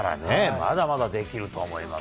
まだまだできるとは思います。